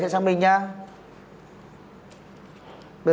em chỉ nhận được ship thôi